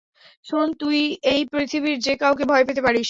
শোন, তুই এই পৃথিবীর যে কাউকে ভয় পেতে পারিস।